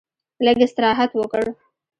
لږ استراحت وکړ.